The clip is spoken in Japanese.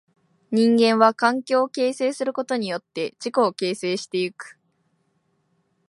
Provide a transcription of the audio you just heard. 人間は環境を形成することによって自己を形成してゆく。